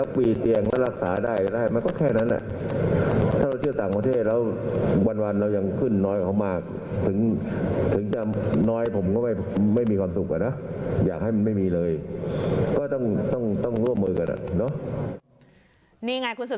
นี่ไงคุณสุบสกุลเห็นไหม